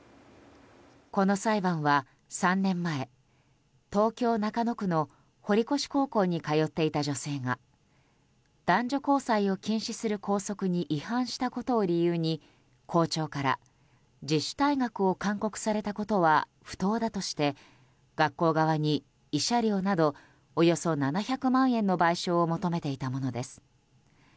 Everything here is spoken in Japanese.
この裁判は３年前東京・中野区の堀越高校に通っていた女性が男女交際を禁止する校則に違反したことを理由に校長から自主退学を勧告されたことは不当だとして学校側に慰謝料などおよそ７００万円の賠償を求めていたものです。